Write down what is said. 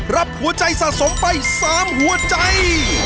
รับหัวใจสะสมไป๓หัวใจ